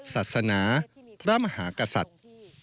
ศาสนาพระมหากษัตริย์